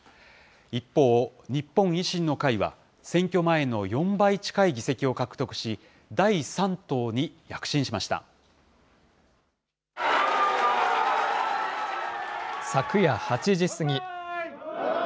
一方、日本維新の会は選挙前の４倍近い議席を獲得し、第３党に躍進しま昨夜８時過ぎ。